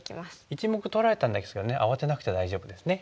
１目取られたんですけど慌てなくて大丈夫ですね。